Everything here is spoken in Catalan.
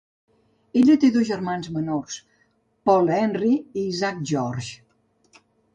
Ella té dos germans menors, Paul Henri i Isaac Georges.